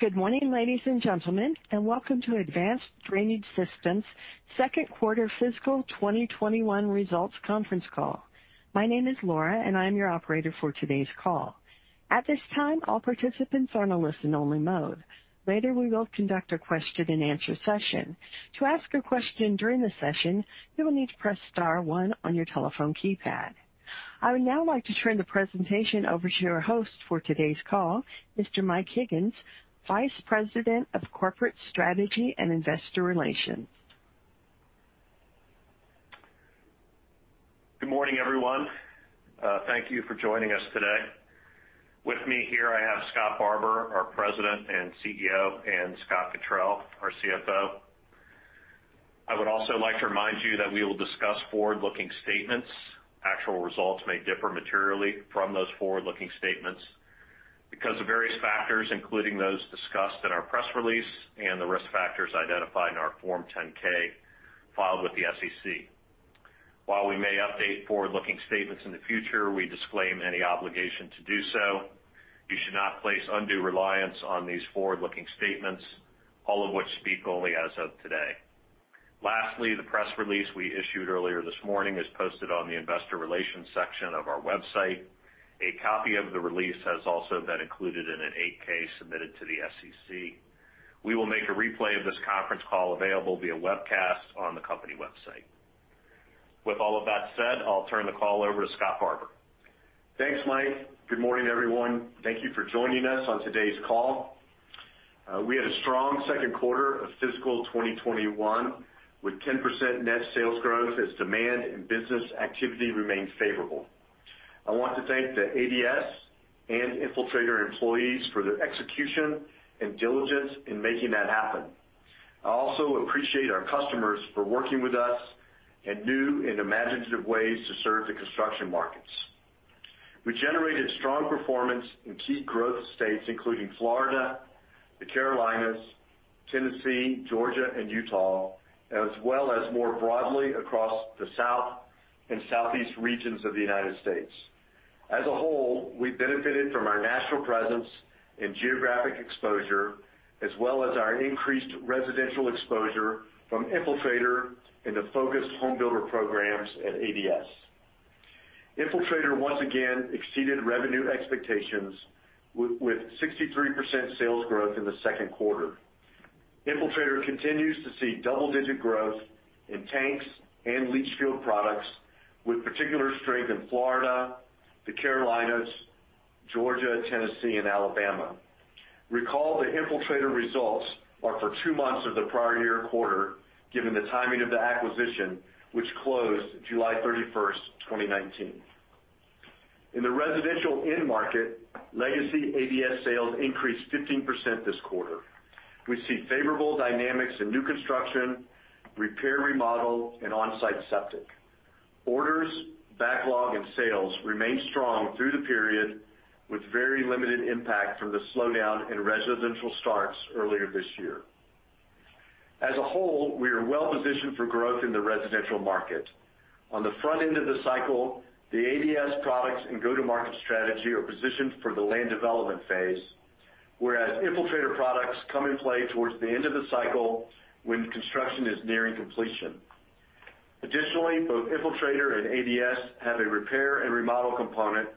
Good morning, ladies and gentlemen, and welcome to Advanced Drainage Systems' second quarter fiscal 2021 results conference call. My name is Laura, and I'm your operator for today's call. At this time, all participants are in a listen-only mode. Later, we will conduct a question-and-answer session. To ask a question during the session, you will need to press star one on your telephone keypad. I would now like to turn the presentation over to our host for today's call, Mr. Mike Higgins, Vice President of Corporate Strategy and Investor Relations. Good morning, everyone. Thank you for joining us today. With me here, I have Scott Barbour, our President and CEO, and Scott Cottrell, our CFO. I would also like to remind you that we will discuss forward-looking statements. Actual results may differ materially from those forward-looking statements because of various factors, including those discussed in our press release and the risk factors identified in our Form 10-K filed with the SEC. While we may update forward-looking statements in the future, we disclaim any obligation to do so. You should not place undue reliance on these forward-looking statements, all of which speak only as of today. Lastly, the press release we issued earlier this morning is posted on the investor relations section of our website. A copy of the release has also been included in an 8-K submitted to the SEC. We will make a replay of this Conference Call available via webcast on the company website. With all of that said, I'll turn the call over to Scott Barbour. Thanks, Mike. Good morning, everyone. Thank you for joining us on today's call. We had a strong second quarter of fiscal 2021, with 10% net sales growth as demand and business activity remained favorable. I want to thank the ADS and Infiltrator employees for their execution and diligence in making that happen. I also appreciate our customers for working with us in new and imaginative ways to serve the construction markets. We generated strong performance in key growth states, including Florida, the Carolinas, Tennessee, Georgia, and Utah, as well as more broadly across the South and Southeast regions of the United States. As a whole, we benefited from our national presence and geographic exposure, as well as our increased residential exposure from Infiltrator and the focused home builder programs at ADS. Infiltrator, once again, exceeded revenue expectations with 63% sales growth in the second quarter. Infiltrator continues to see double-digit growth in tanks and leach field products, with particular strength in Florida, the Carolinas, Georgia, Tennessee, and Alabama. Recall that Infiltrator results are for two months of the prior year quarter, given the timing of the acquisition, which closed July 31, 2019. In the residential end market, legacy ADS sales increased 15% this quarter. We see favorable dynamics in new construction, repair, remodel, and on-site septic. Orders, backlog, and sales remained strong through the period, with very limited impact from the slowdown in residential starts earlier this year. As a whole, we are well positioned for growth in the residential market. On the front end of the cycle, the ADS products and go-to-market strategy are positioned for the land development phase, whereas Infiltrator products come in play towards the end of the cycle when construction is nearing completion. Additionally, both Infiltrator and ADS have a repair and remodel component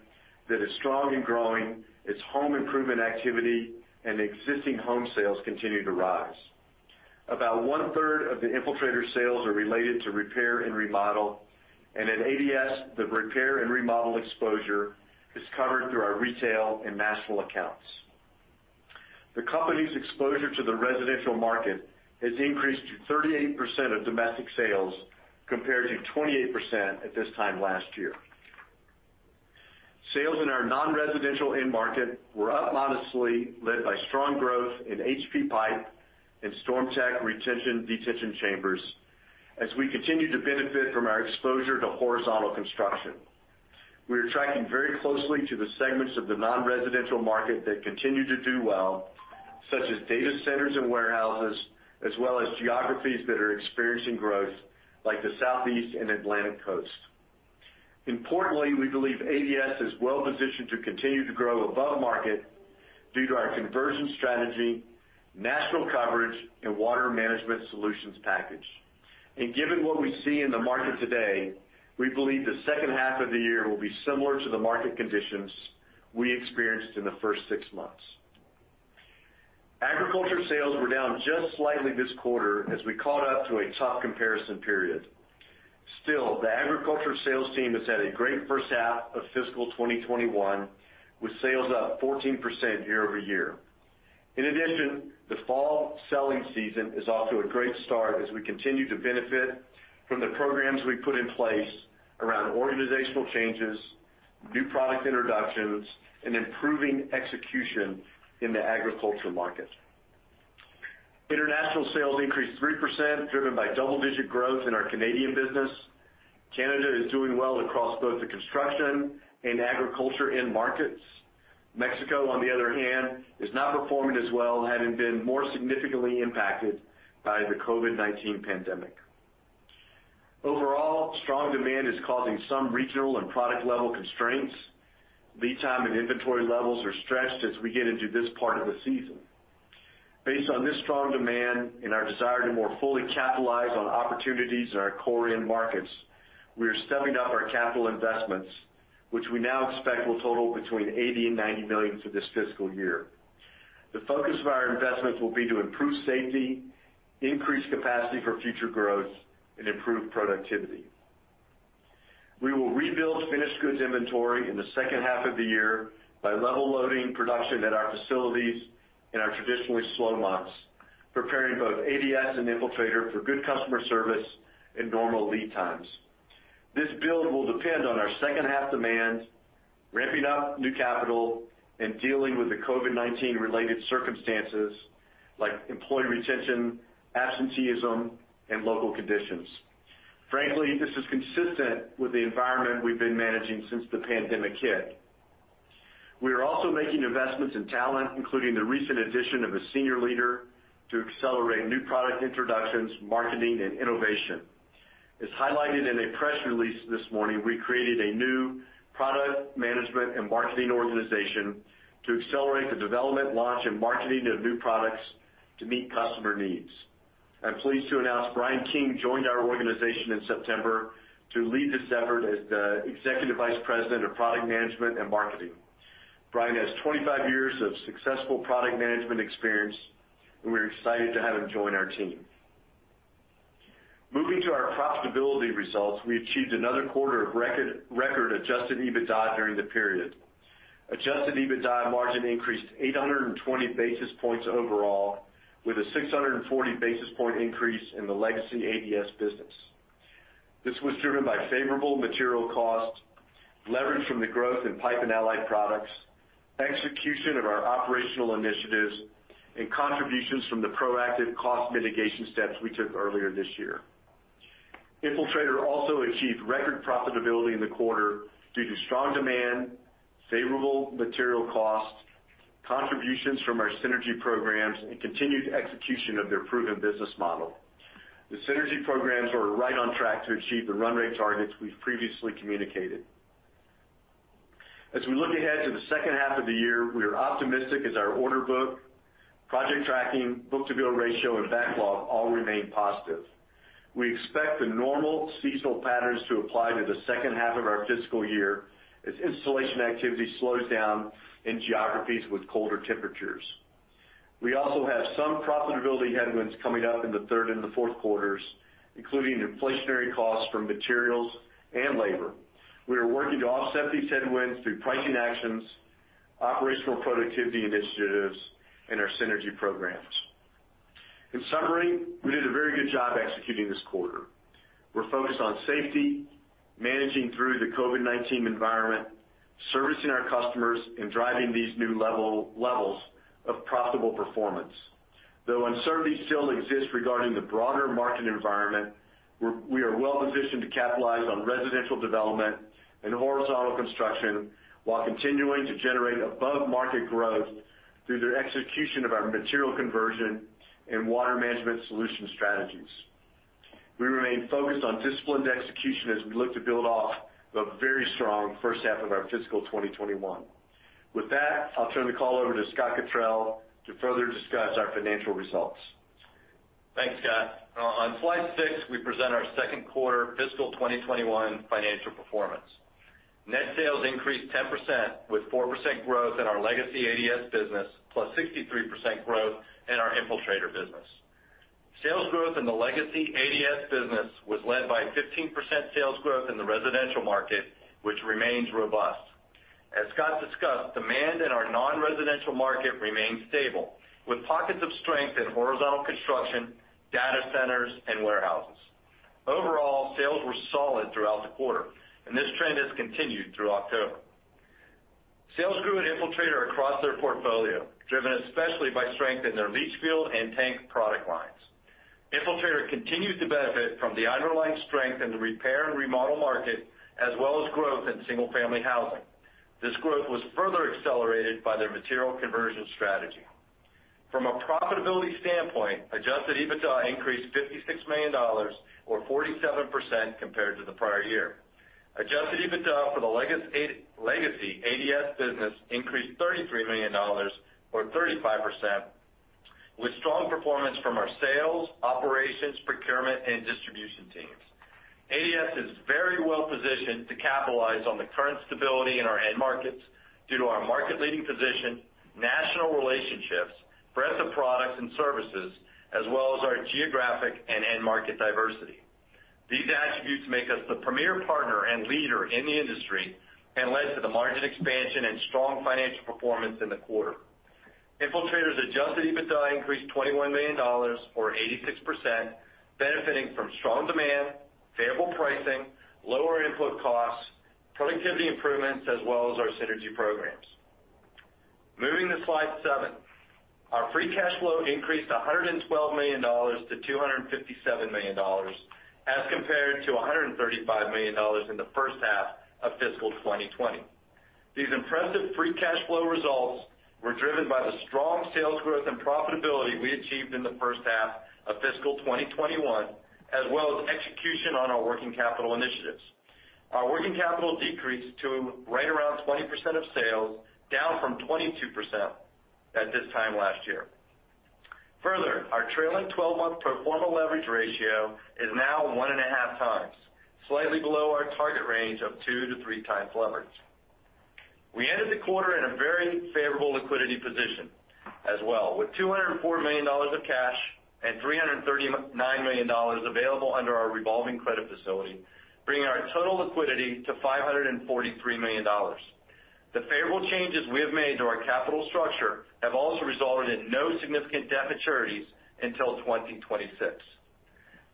that is strong and growing as home improvement activity and existing home sales continue to rise. About one-third of the Infiltrator sales are related to repair and remodel, and at ADS, the repair and remodel exposure is covered through our retail and national accounts. The company's exposure to the residential market has increased to 38% of domestic sales, compared to 28% at this time last year. Sales in our non-residential end market were up modestly, led by strong growth in HP pipe and StormTech retention/detention chambers as we continue to benefit from our exposure to horizontal construction. We are tracking very closely to the segments of the non-residential market that continue to do well, such as data centers and warehouses, as well as geographies that are experiencing growth, like the Southeast and Atlantic Coast. Importantly, we believe ADS is well positioned to continue to grow above market due to our conversion strategy, national coverage, and water management solutions package, and given what we see in the market today, we believe the second half of the year will be similar to the market conditions we experienced in the first six months. Agriculture sales were down just slightly this quarter as we caught up to a tough comparison period. Still, the agriculture sales team has had a great first half of fiscal 2021, with sales up 14% year over year. In addition, the fall selling season is off to a great start as we continue to benefit from the programs we put in place around organizational changes, new product introductions, and improving execution in the agriculture market. International sales increased 3%, driven by double-digit growth in our Canadian business. Canada is doing well across both the construction and agriculture end markets. Mexico, on the other hand, is not performing as well, having been more significantly impacted by the COVID-19 pandemic. Overall, strong demand is causing some regional and product level constraints. Lead time and inventory levels are stretched as we get into this part of the season. Based on this strong demand and our desire to more fully capitalize on opportunities in our core end markets, we are stepping up our capital investments, which we now expect will total between $80 million and $90 million for this fiscal year. The focus of our investments will be to improve safety, increase capacity for future growth, and improve productivity. We will rebuild finished goods inventory in the second half of the year by level loading production at our facilities in our traditionally slow months, preparing both ADS and Infiltrator for good customer service and normal lead times. This build will depend on our second half demand, ramping up new capital, and dealing with the COVID-19 related circumstances, like employee retention, absenteeism, and local conditions. Frankly, this is consistent with the environment we've been managing since the pandemic hit. We are also making investments in talent, including the recent addition of a senior leader to accelerate new product introductions, marketing, and innovation. As highlighted in a press release this morning, we created a new product management and marketing organization to accelerate the development, launch, and marketing of new products to meet customer needs. I'm pleased to announce Brian King joined our organization in September to lead this effort as the Executive Vice President of Product Management and Marketing. Brian has 25 years of successful product management experience, and we're excited to have him join our team. Moving to our profitability results, we achieved another quarter of record adjusted EBITDA during the period. Adjusted EBITDA margin increased 820 basis points overall, with a 640 basis point increase in the legacy ADS business. This was driven by favorable material costs, leverage from the growth in pipe and allied products, execution of our operational initiatives, and contributions from the proactive cost mitigation steps we took earlier this year. Infiltrator also achieved record profitability in the quarter due to strong demand, favorable material costs, contributions from our synergy programs, and continued execution of their proven business model. The synergy programs are right on track to achieve the run rate targets we've previously communicated. As we look ahead to the second half of the year, we are optimistic as our order book, project tracking, book-to-bill ratio, and backlog all remain positive. We expect the normal seasonal patterns to apply to the second half of our fiscal year as installation activity slows down in geographies with colder temperatures. We also have some profitability headwinds coming up in the third and the fourth quarters, including inflationary costs from materials and labor. We are working to offset these headwinds through pricing actions, operational productivity initiatives, and our synergy programs. In summary, we did a very good job executing this quarter. We're focused on safety, managing through the COVID-19 environment, servicing our customers, and driving these new levels of profitable performance. Though uncertainty still exists regarding the broader market environment, we are well positioned to capitalize on residential development and horizontal construction, while continuing to generate above-market growth through the execution of our material conversion and water management solution strategies. We remain focused on disciplined execution as we look to build off a very strong first half of our fiscal 2021. With that, I'll turn the call over to Scott Cottrell to further discuss our financial results. Thanks, Scott. On slide six, we present our second quarter fiscal twenty twenty-one financial performance. Net sales increased 10%, with 4% growth in our legacy ADS business, plus 63% growth in our Infiltrator business. Sales growth in the legacy ADS business was led by 15% sales growth in the residential market, which remains robust. As Scott discussed, demand in our non-residential market remains stable, with pockets of strength in horizontal construction, data centers, and warehouses. Overall, sales were solid throughout the quarter, and this trend has continued through October. Sales grew at Infiltrator across their portfolio, driven especially by strength in their leach field and tank product lines. Infiltrator continued to benefit from the underlying strength in the repair and remodel market, as well as growth in single-family housing. This growth was further accelerated by their material conversion strategy. From a profitability standpoint, adjusted EBITDA increased $56 million or 47% compared to the prior year. Adjusted EBITDA for the legacy ADS business increased $33 million or 35%, with strong performance from our sales, operations, procurement, and distribution teams. ADS is very well positioned to capitalize on the current stability in our end markets due to our market-leading position, national relationships, breadth of products and services, as well as our geographic and end market diversity. These attributes make us the premier partner and leader in the industry, and led to the margin expansion and strong financial performance in the quarter. Infiltrator's adjusted EBITDA increased $21 million or 86%, benefiting from strong demand, favorable pricing, lower input costs, productivity improvements, as well as our synergy programs. Moving to slide seven. Our free cash flow increased $112 million to $257 million, as compared to $135 million in the first half of fiscal 2020.... These impressive free cash flow results were driven by the strong sales growth and profitability we achieved in the first half of fiscal 2021, as well as execution on our working capital initiatives. Our working capital decreased to right around 20% of sales, down from 22% at this time last year. Further, our trailing twelve-month pro forma leverage ratio is now 1.5 times, slightly below our target range of 2-3 times leverage. We ended the quarter in a very favorable liquidity position as well, with $204 million of cash and $339 million available under our revolving credit facility, bringing our total liquidity to $543 million. The favorable changes we have made to our capital structure have also resulted in no significant debt maturities until 2026.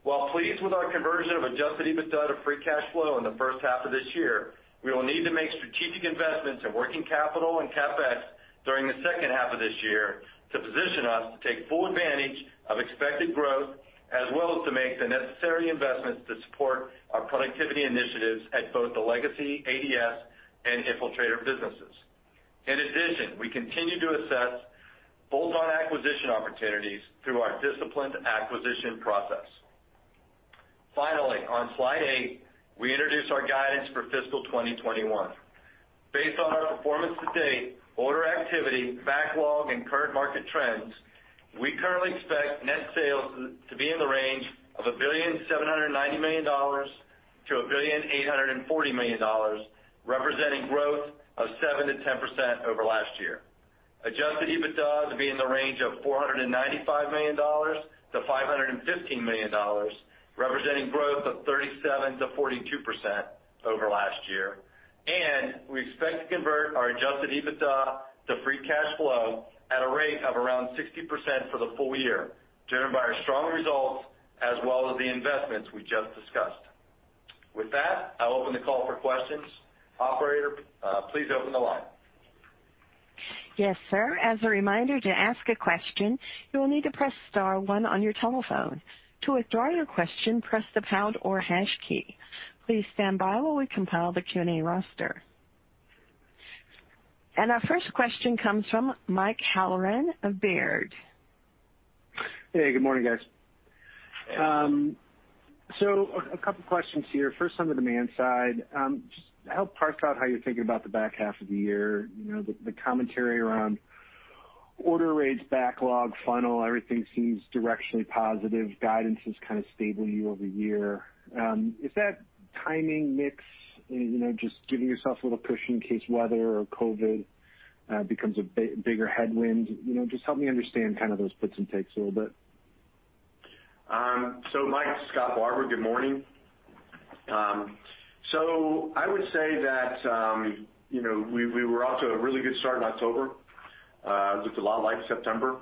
While pleased with our conversion of adjusted EBITDA to free cash flow in the first half of this year, we will need to make strategic investments in working capital and CapEx during the second half of this year to position us to take full advantage of expected growth, as well as to make the necessary investments to support our productivity initiatives at both the legacy ADS and Infiltrator businesses. In addition, we continue to assess bolt-on acquisition opportunities through our disciplined acquisition process. Finally, on slide eight, we introduce our guidance for fiscal 2021. Based on our performance to date, order activity, backlog, and current market trends, we currently expect net sales to be in the range of $1.79 billion-$1.84 billion, representing growth of 7%-10% over last year. Adjusted EBITDA to be in the range of $495 million-$515 million, representing growth of 37%-42% over last year. We expect to convert our adjusted EBITDA to free cash flow at a rate of around 60% for the full year, driven by our strong results as well as the investments we just discussed. With that, I'll open the call for questions. Operator, please open the line. Yes, sir. As a reminder, to ask a question, you will need to press star one on your telephone. To withdraw your question, press the pound or hash key. Please stand by while we compile the Q&A roster, and our first question comes from Mike Halloran of Baird. Hey, good morning, guys. So a couple questions here. First, on the demand side, just help parse out how you're thinking about the back half of the year. You know, the commentary around order rates, backlog, funnel, everything seems directionally positive. Guidance is kind of stable year over year. Is that timing mix, you know, just giving yourself a little cushion in case weather or COVID becomes a bigger headwind? You know, just help me understand kind of those puts and takes a little bit. Mike, Scott Barbour, good morning. I would say that, you know, we were off to a really good start in October. It looked a lot like September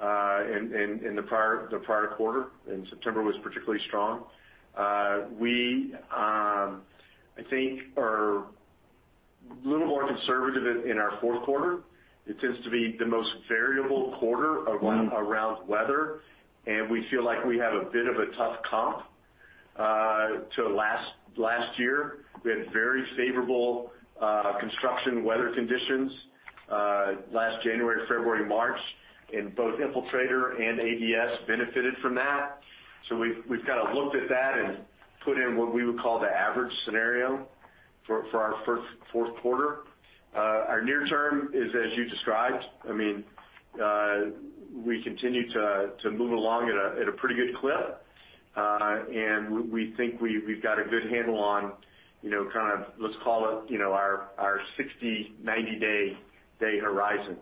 in the prior quarter, and September was particularly strong. We are a little more conservative in our fourth quarter. It tends to be the most variable quarter around weather, and we feel like we have a bit of a tough comp to last year. We had very favorable construction weather conditions last January, February, March, and both Infiltrator and ADS benefited from that. We've kind of looked at that and put in what we would call the average scenario for our fourth quarter. Our near term is as you described. I mean, we continue to move along at a pretty good clip. We think we've got a good handle on, you know, kind of, let's call it, you know, our 60-90-day horizon.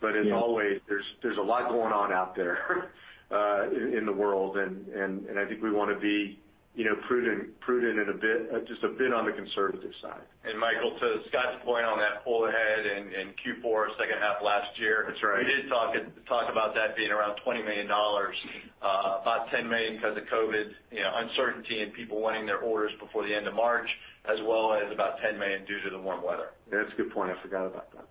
But as always, there's a lot going on out there, in the world, and I think we want to be, you know, prudent and a bit, just a bit on the conservative side. Michael, to Scott's point on that pull ahead in Q4, second half last year- That's right. We did talk about that being around $20 million, about $10 million because of COVID, you know, uncertainty and people wanting their orders before the end of March, as well as about $10 million due to the warm weather. That's a good point. I forgot about that.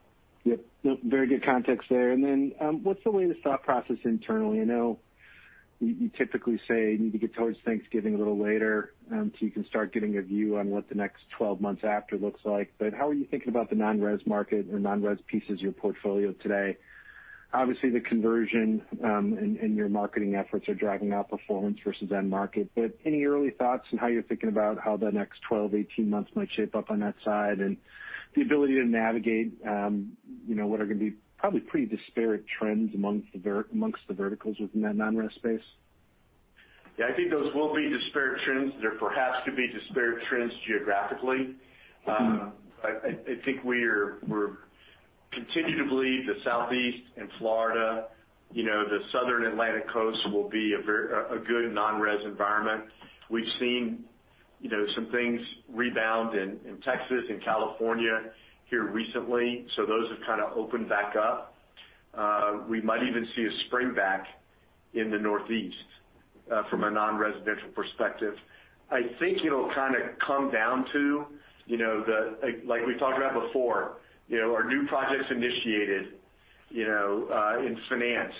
Yep. Nope, very good context there. And then, what's the latest thought process internally? I know you, you typically say you need to get towards Thanksgiving, a little later, so you can start getting a view on what the next twelve months after looks like. But how are you thinking about the non-res market or non-res pieces of your portfolio today? Obviously, the conversion, and, and your marketing efforts are driving outperformance versus end market. But any early thoughts on how you're thinking about how the next twelve, eighteen months might shape up on that side, and the ability to navigate, you know, what are going to be probably pretty disparate trends amongst the verticals within that non-res space? Yeah, I think those will be disparate trends. There perhaps could be disparate trends geographically. I think we're continually the Southeast and Florida, you know, the southern Atlantic Coast will be a very good non-res environment. We've seen, you know, some things rebound in Texas and California here recently, so those have kind of opened back up. We might even see a springback in the Northeast from a non-residential perspective. I think it'll kind of come down to, you know, like we talked about before, you know, are new projects initiated, you know, and financed?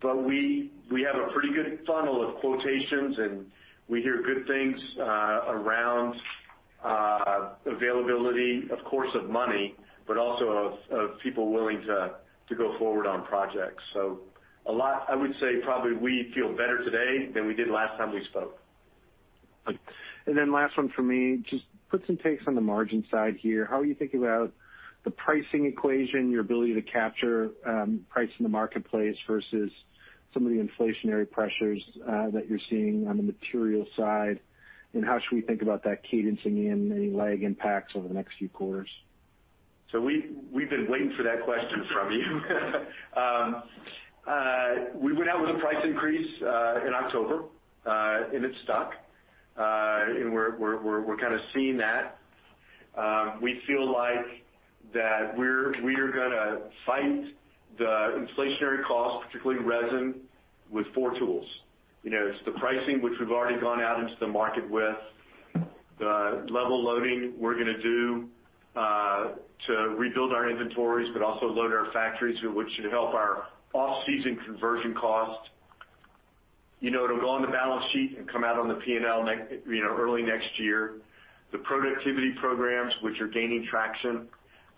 But we have a pretty good funnel of quotations, and we hear good things around availability, of course, of money, but also of people willing to go forward on projects. So a lot, I would say probably we feel better today than we did last time we spoke. And then last one from me. Just put some takes on the margin side here. How are you thinking about the pricing equation, your ability to capture price in the marketplace versus some of the inflationary pressures that you're seeing on the material side? And how should we think about that cadencing in any lag impacts over the next few quarters? We've been waiting for that question from you. We went out with a price increase in October, and it stuck. We're kind of seeing that. We feel like we're gonna fight the inflationary costs, particularly resin, with four tools. You know, it's the pricing, which we've already gone out into the market with, the level loading we're gonna do to rebuild our inventories, but also load our factories, which should help our off-season conversion costs. You know, it'll go on the balance sheet and come out on the PL next, you know, early next year. The productivity programs, which are gaining traction,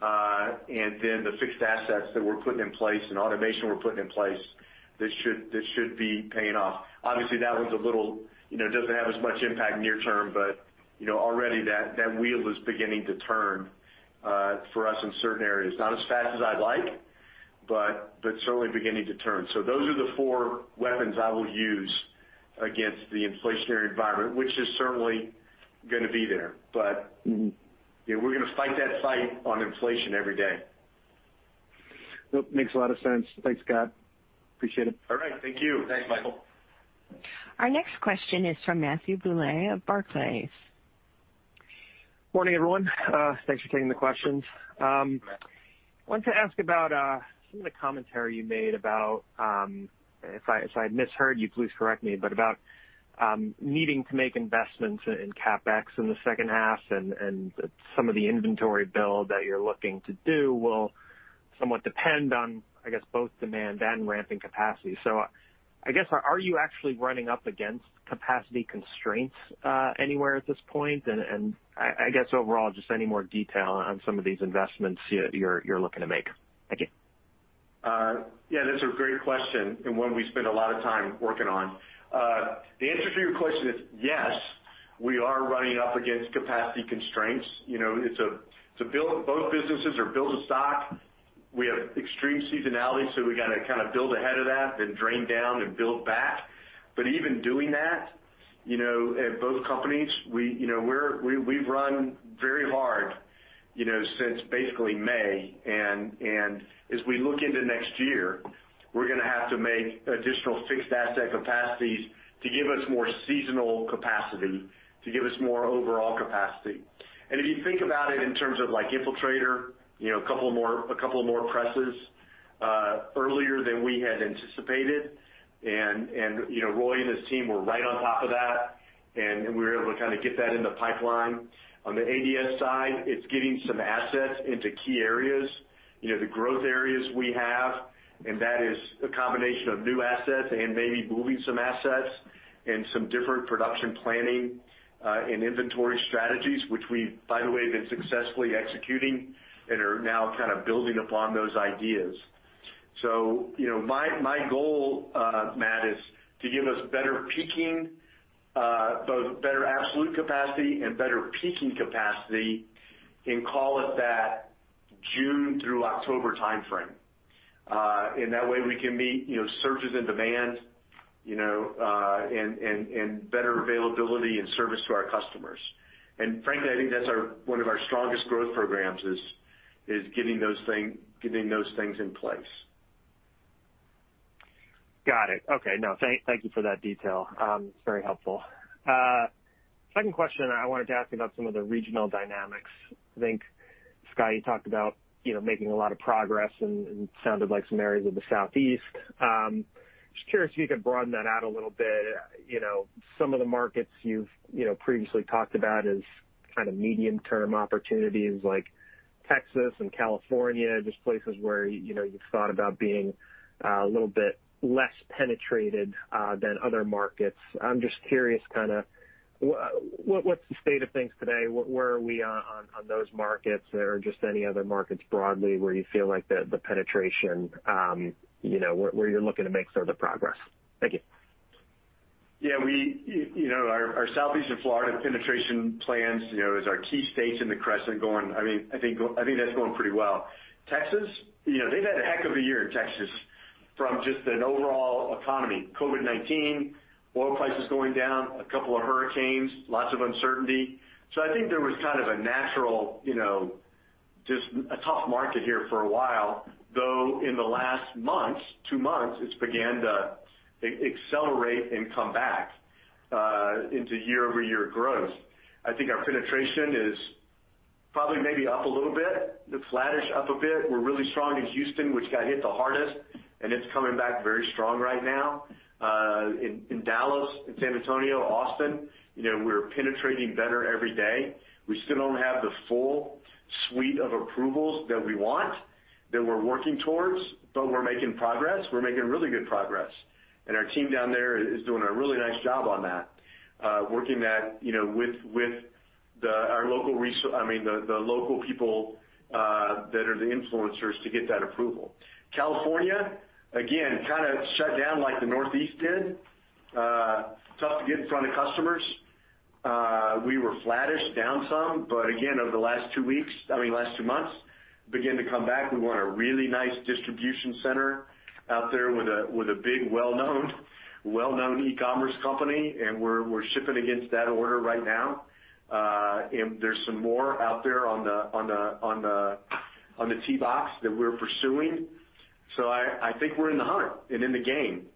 and then the fixed assets that we're putting in place and automation we're putting in place, that should be paying off. Obviously, that one's a little, you know, doesn't have as much impact near term, but, you know, already that, that wheel is beginning to turn, for us in certain areas. Not as fast as I'd like, but, but certainly beginning to turn. So those are the four weapons I will use against the inflationary environment, which is certainly gonna be there. But- Mm-hmm. Yeah, we're gonna fight that fight on inflation every day. Yep, makes a lot of sense. Thanks, Scott. Appreciate it. All right. Thank you. Thanks, Michael. Our next question is from Matthew Bouley of Barclays. Morning, everyone. Thanks for taking the questions. I wanted to ask about some of the commentary you made about, if I misheard you, please correct me, but about needing to make investments in CapEx in the second half and some of the inventory build that you're looking to do will somewhat depend on, I guess, both demand and ramping capacity. So I guess, are you actually running up against capacity constraints anywhere at this point? And I guess overall, just any more detail on some of these investments you're looking to make. Thank you. Yeah, that's a great question and one we spend a lot of time working on. The answer to your question is, yes, we are running up against capacity constraints. You know, it's a, to build both businesses or build a stock, we have extreme seasonality, so we got to kind of build ahead of that, then drain down and build back. But even doing that, you know, at both companies, we, you know, we've run very hard, you know, since basically May. And as we look into next year, we're gonna have to make additional fixed asset capacities to give us more seasonal capacity, to give us more overall capacity. And if you think about it in terms of like Infiltrator, you know, a couple more presses earlier than we had anticipated. You know, Roy and his team were right on top of that, and we were able to kind of get that in the pipeline. On the ADS side, it's getting some assets into key areas, you know, the growth areas we have, and that is a combination of new assets and maybe moving some assets and some different production planning and inventory strategies, which we've, by the way, been successfully executing and are now kind of building upon those ideas. You know, my goal, Matt, is to give us better peaking, both better absolute capacity and better peaking capacity, and call it that June through October timeframe. And that way, we can meet, you know, surges in demand, you know, and better availability and service to our customers. Frankly, I think that's one of our strongest growth programs is getting those things in place. Got it. Okay, no, thank you for that detail. It's very helpful. Second question, I wanted to ask you about some of the regional dynamics. I think, Scott, you talked about, you know, making a lot of progress and sounded like some areas of the Southeast. Just curious if you could broaden that out a little bit. You know, some of the markets you've, you know, previously talked about as kind of medium-term opportunities like Texas and California, just places where, you know, you've thought about being a little bit less penetrated than other markets. I'm just curious, kind of, what's the state of things today? Where are we on those markets or just any other markets broadly, where you feel like the penetration, you know, where you're looking to make further progress? Thank you. Yeah, you know, our Southeast and Florida penetration plans, you know, is our key states in the Crescent going. I mean, I think that's going pretty well. Texas, you know, they've had a heck of a year in Texas from just an overall economy. COVID-19, oil prices going down, a couple of hurricanes, lots of uncertainty. So I think there was kind of a natural, you know, just a tough market here for a while, though in the last two months, it's began to accelerate and come back into year over year growth. I think our penetration is probably maybe up a little bit, flattish, up a bit. We're really strong in Houston, which got hit the hardest, and it's coming back very strong right now in Dallas, in San Antonio, Austin, you know, we're penetrating better every day. We still don't have the full suite of approvals that we want, that we're working towards, but we're making progress. We're making really good progress, and our team down there is doing a really nice job on that, working that, you know, with the local people that are the influencers to get that approval. California, again, kind of shut down like the Northeast did. Tough to get in front of customers. We were flattish, down some, but again, over the last two weeks, I mean, last two months, began to come back. We won a really nice distribution center out there with a big, well-known e-commerce company, and we're shipping against that order right now. And there's some more out there on the tee box that we're pursuing. So I think we're in the hunt and in the game.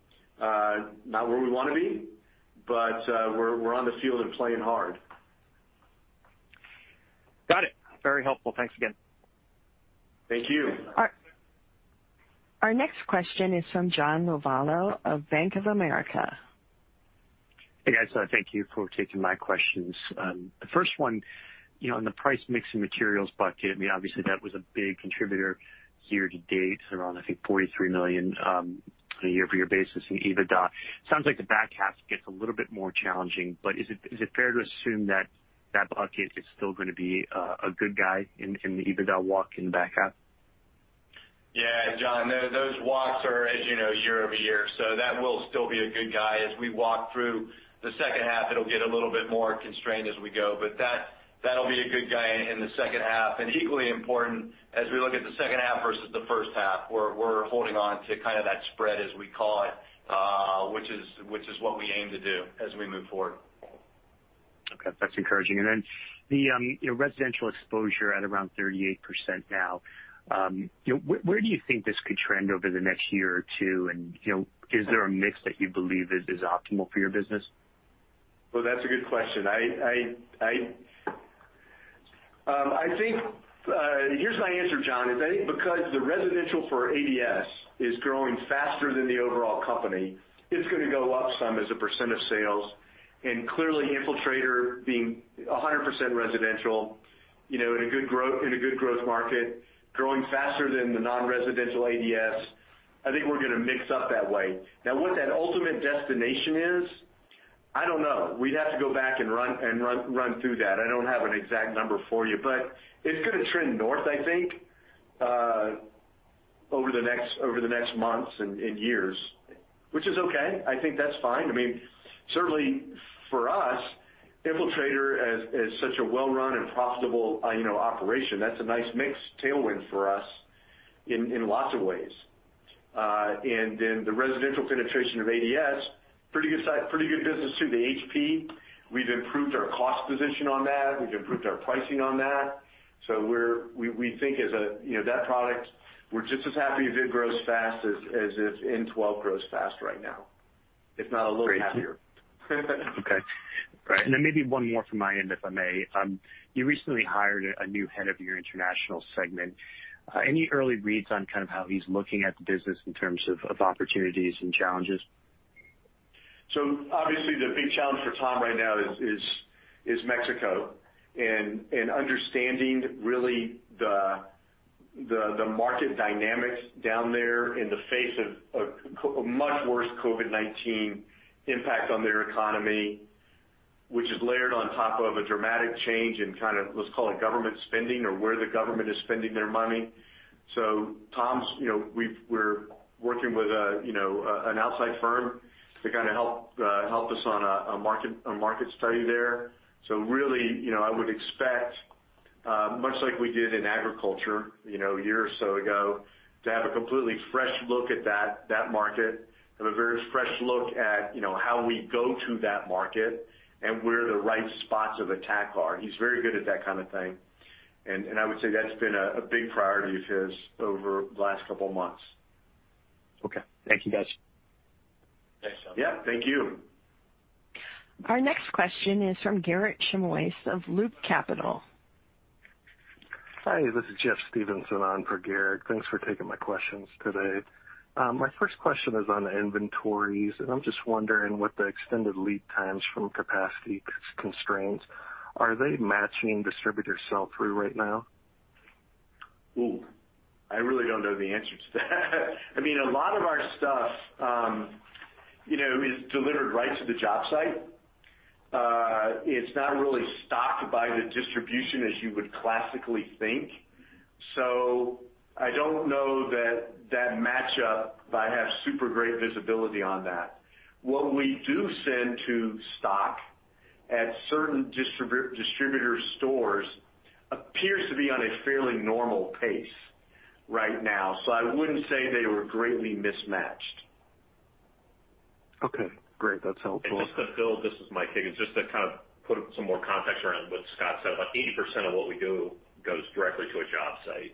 Not where we want to be, but we're on the field and playing hard. Got it. Very helpful. Thanks again. Thank you. Our next question is from John Lovallo of Bank of America. Hey, guys. Thank you for taking my questions. The first one, you know, on the price mix and materials bucket, I mean, obviously, that was a big contributor year to date, around, I think, $43 million on a year-over-year basis in EBITDA. Sounds like the back half gets a little bit more challenging, but is it fair to assume that that bucket is still gonna be a good guy in the EBITDA walk in the back half? Yeah, John, those walks are, as you know, year over year, so that will still be a good guy. As we walk through the second half, it'll get a little bit more constrained as we go, but that'll be a good guy in the second half. And equally important, as we look at the second half versus the first half, we're holding on to kind of that spread, as we call it, which is what we aim to do as we move forward. Okay, that's encouraging. And then the, you know, residential exposure at around 38% now, you know, where do you think this could trend over the next year or two? And, you know, is there a mix that you believe is, is optimal for your business? That's a good question. I think here's my answer, John. I think because the residential for ADS is growing faster than the overall company, it's gonna go up some as a percent of sales. And clearly, Infiltrator being 100% residential, you know, in a good growth market, growing faster than the non-residential ADS, I think we're gonna mix up that way. Now, what that ultimate destination is, I don't know. We'd have to go back and run through that. I don't have an exact number for you, but it's gonna trend north, I think, over the next months and years, which is okay. I think that's fine. I mean, certainly for us, Infiltrator as such a well-run and profitable, you know, operation, that's a nice mix tailwind for us in lots of ways. And then the residential penetration of ADS, pretty good size, pretty good business, too. The HP, we've improved our cost position on that. We've improved our pricing on that. So we're, we think as a, you know, that product, we're just as happy if it grows fast as if N-12 grows fast right now, if not a little happier. Okay. Right. And then maybe one more from my end, if I may. You recently hired a new head of your international segment. Any early reads on kind of how he's looking at the business in terms of opportunities and challenges? So obviously, the big challenge for Tom right now is Mexico and understanding really the market dynamics down there in the face of a much worse COVID-19 impact on their economy, which is layered on top of a dramatic change in kind of, let's call it, government spending or where the government is spending their money. So Tom's, you know, we're working with a, you know, an outside firm to kind of help us on a market study there. So really, you know, I would expect much like we did in agriculture, you know, a year or so ago, to have a completely fresh look at that market, and a very fresh look at, you know, how we go to that market and where the right spots of attack are. He's very good at that kind of thing, and I would say that's been a big priority of his over the last couple of months. Okay. Thank you, guys. Thanks, John. Yeah, thank you. Our next question is from Garik Shmois of Loop Capital. Hi, this is Jeff Stevenson on for Garik. Thanks for taking my questions today. My first question is on inventories, and I'm just wondering what the extended lead times from capacity constraints are. Are they matching distributor sell-through right now? Ooh, I really don't know the answer to that. I mean, a lot of our stuff, you know, is delivered right to the job site. It's not really stocked by the distributors as you would classically think. So I don't know that that match up, I have super great visibility on that. What we do send to stock at certain distributor stores appears to be on a fairly normal pace right now, so I wouldn't say they were greatly mismatched. Okay, great. That's helpful. Just to build, this is Mike Higgins, just to kind of put some more context around what Scott said. About 80% of what we do goes directly to a job site,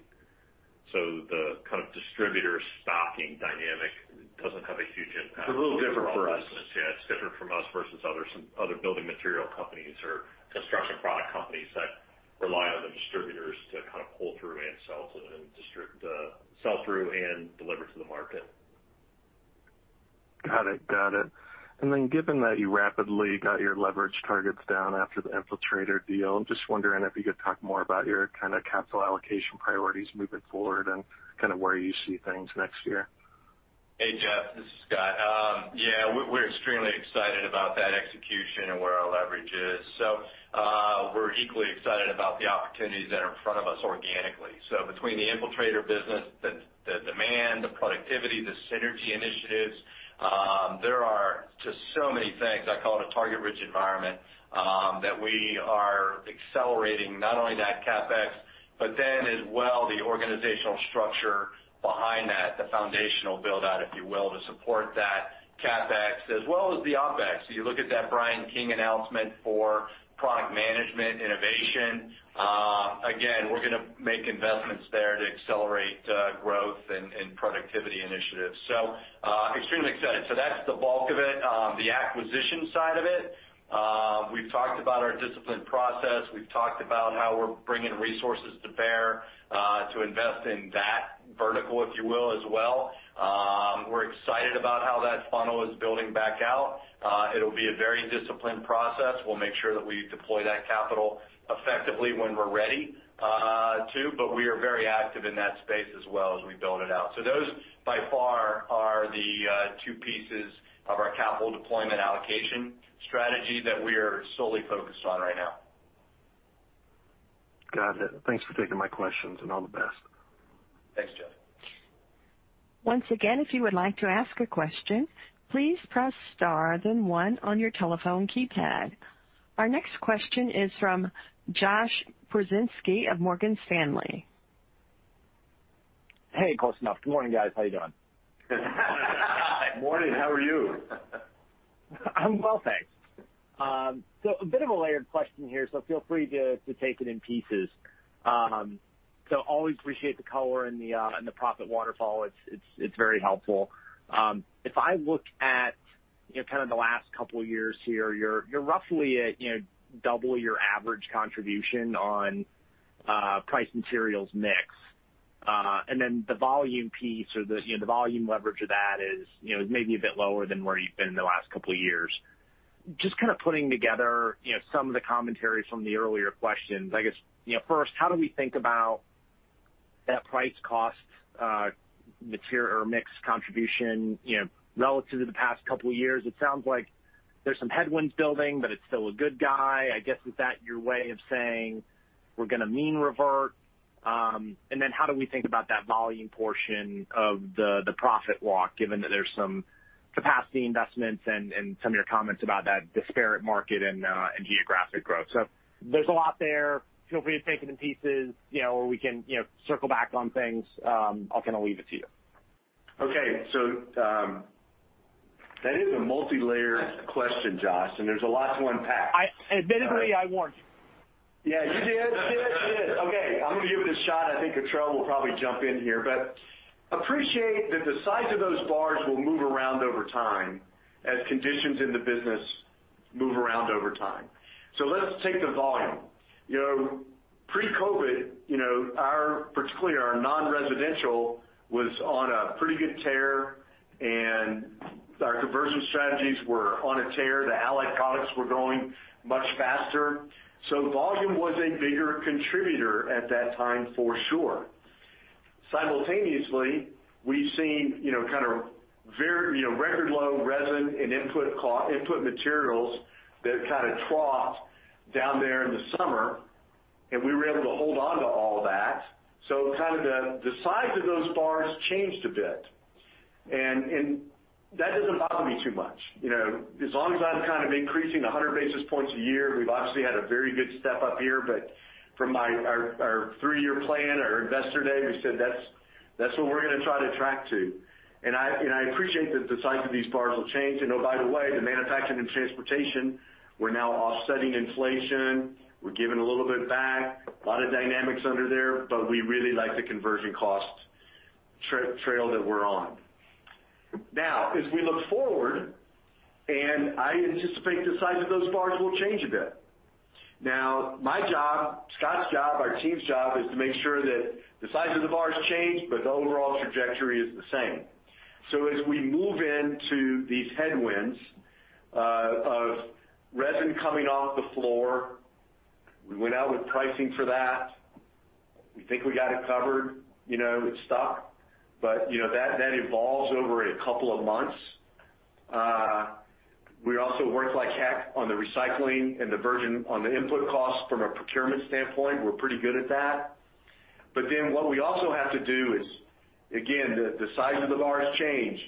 so the kind of distributor stocking dynamic doesn't have a huge impact- It's a little different for us. Yeah, it's different from us versus other building material companies or construction product companies that rely on the distributors to kind of pull through and sell through and deliver to the market. Got it. Got it. And then given that you rapidly got your leverage targets down after the Infiltrator deal, I'm just wondering if you could talk more about your kind of capital allocation priorities moving forward and kind of where you see things next year? Hey, Jeff, this is Scott. Yeah, we're extremely excited about that execution and where our leverage is. So, we're equally excited about the opportunities that are in front of us organically. So between the Infiltrator business, the demand, the productivity, the synergy initiatives, there are just so many things, I call it a target-rich environment, that we are accelerating not only that CapEx, but then as well, the organizational structure behind that, the foundational build-out, if you will, to support that CapEx as well as the OpEx. You look at that Brian King announcement for product management, innovation. Again, we're gonna make investments there to accelerate growth and productivity initiatives. So, extremely excited. So that's the bulk of it. The acquisition side of it, we've talked about our disciplined process. We've talked about how we're bringing resources to bear, to invest in that vertical, if you will, as well. We're excited about how that funnel is building back out. It'll be a very disciplined process. We'll make sure that we deploy that capital effectively when we're ready, but we are very active in that space as well as we build it out. So those, by far, are the, two pieces of our capital deployment allocation strategy that we are solely focused on right now. Got it. Thanks for taking my questions, and all the best. Thanks, Jeff. Once again, if you would like to ask a question, please press star then one on your telephone keypad. Our next question is from Josh Pokrzywinski of Morgan Stanley. Hey, close enough. Good morning, guys. How you doing? Morning, how are you? I'm well, thanks. So a bit of a layered question here, so feel free to take it in pieces. So always appreciate the color and the profit waterfall. It's very helpful. If I look at, you know, kind of the last couple of years here, you're roughly at, you know, double your average contribution on price and materials mix. And then the volume piece or the, you know, the volume leverage of that is, you know, maybe a bit lower than where you've been in the last couple of years. Just kind of putting together, you know, some of the commentary from the earlier questions. I guess, you know, first, how do we think about that price cost material or mix contribution, you know, relative to the past couple of years? It sounds like there's some headwinds building, but it's still a good guy. I guess, is that your way of saying we're gonna mean revert? And then how do we think about that volume portion of the profit walk, given that there's some capacity investments and some of your comments about that disparate market and geographic growth? So there's a lot there. Feel free to take it in pieces, you know, or we can, you know, circle back on things. I'll kind of leave it to you. Okay. So, that is a multilayered question, Josh, and there's a lot to unpack. Admittedly, I warned you. Yeah, you did. You did. Okay, I'm gonna give it a shot. I think Cottrell will probably jump in here, but appreciate that the size of those bars will move around over time as conditions in the business move around over time. So let's take the volume. You know, pre-COVID, you know, our, particularly our non-residential, was on a pretty good tear, and our conversion strategies were on a tear. The allied products were growing much faster, so volume was a bigger contributor at that time, for sure. Simultaneously, we've seen, you know, kind of very, you know, record low resin and input co-input materials that kind of troughed down there in the summer, and we were able to hold on to all that. So kind of the size of those bars changed a bit, and that doesn't bother me too much. You know, as long as I'm kind of increasing one hundred basis points a year, we've obviously had a very good step up here, but from our three-year plan, our Investor Day, we said that's what we're gonna try to track to. I appreciate that the size of these bars will change. Oh, by the way, the manufacturing and transportation, we're now offsetting inflation. We're giving a little bit back, a lot of dynamics under there, but we really like the conversion cost trail that we're on. Now, as we look forward, I anticipate the size of those bars will change a bit. Now, my job, Scott's job, our team's job is to make sure that the size of the bars change, but the overall trajectory is the same. So as we move into these headwinds of resin coming off the floor, we went out with pricing for that. We think we got it covered, you know, it stuck, but, you know, that evolves over a couple of months. We also worked like heck on the recycling and the virgin on the input costs from a procurement standpoint. We're pretty good at that. But then what we also have to do is, again, the size of the bars change,